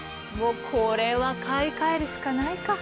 これは買い替えるしかないか。